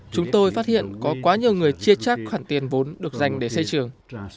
chúng tôi phát hiện có quá nhiều người chia chắc khoản tiền vốn được dành để xây trường